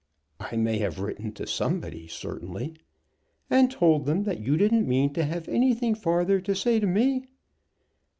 "I may have written to somebody, certainly." "And told them that you didn't mean to have anything farther to say to me?"